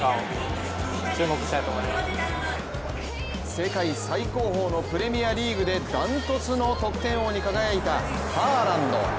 世界最高峰のプレミアリーグでダントツの得点王に輝いたハーランド。